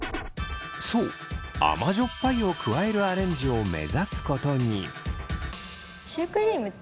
そうあまじょっぱいを加えるアレンジを目指すことに。